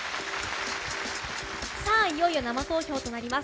さあ、いよいよ生投票となります。